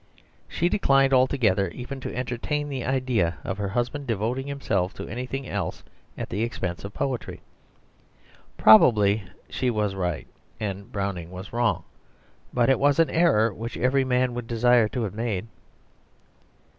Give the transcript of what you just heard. She declined altogether even to entertain the idea of her husband devoting himself to anything else at the expense of poetry. Probably she was right and Browning wrong, but it was an error which every man would desire to have made.